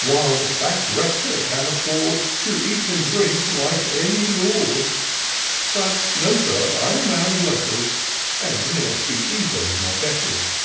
While the fat Rector can afford To eat and drink like any lord ; But know, Sir, I'm a man of letters. And ne'er speak evil of my betters."